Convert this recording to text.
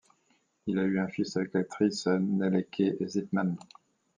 Il à eu un fils avec l'actrice Nelleke Zitman.